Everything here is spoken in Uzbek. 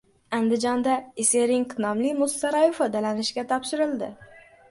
Andijonda "Ise rink" nomli muz saroyi foydalanishga topshirildi